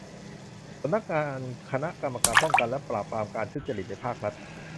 สำนักงานคณะกรรมการป้องกันและปราบปรามการทุจริตในภาครัฐ